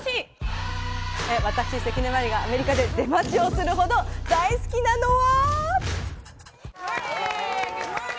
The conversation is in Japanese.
私、関根麻里がアメリカで出待ちをするほど大好きなのは。